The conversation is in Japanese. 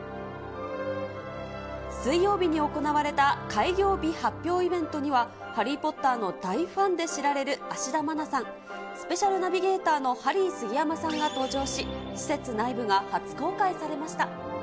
水曜日に行われた開業日発表イベントには、ハリー・ポッターの大ファンで知られる芦田愛菜さん、スペシャルナビゲーターのハリー杉山さんが登場し、施設内部が初公開されました。